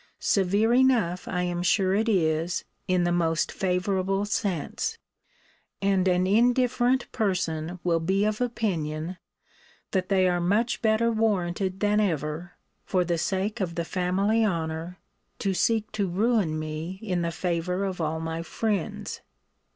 Severe enough I am sure it is, in the most favourable sense. And an indifferent person will be of opinion, that they are much better warranted than ever, for the sake of the family honour, to seek to ruin me in the favour of all my friends.